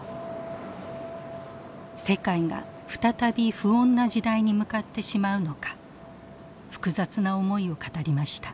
世界が再び不穏な時代に向かってしまうのか複雑な思いを語りました。